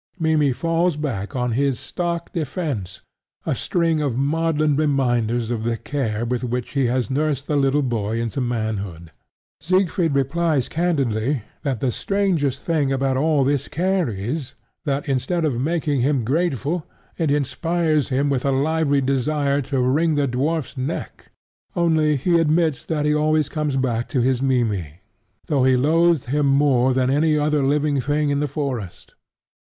Mimmy falls back on his stock defence: a string of maudlin reminders of the care with which he has nursed the little boy into manhood. Siegfried replies candidly that the strangest thing about all this care is that instead of making him grateful, it inspires him with a lively desire to wring the dwarf's neck. Only, he admits that he always comes back to his Mimmy, though he loathes him more than any living thing in the forest.